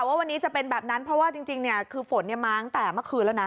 ว่าวันนี้จะเป็นแบบนั้นเพราะว่าจริงคือฝนมาตั้งแต่เมื่อคืนแล้วนะ